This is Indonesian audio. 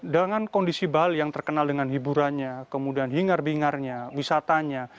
dengan kondisi bali yang terkenal dengan hiburannya kemudian hingar bingarnya wisatanya